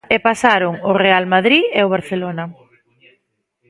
E pasaron o Real Madrid e o Barcelona.